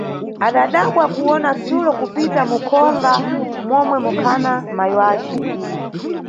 Adadabwa kuwona sulo kupita mukhonga momwe mukhana mayi yace.